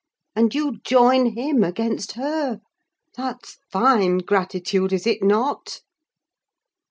And you join him against her. That's fine gratitude, is it not?"